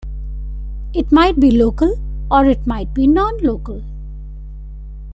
It might be local, or it might be nonlocal.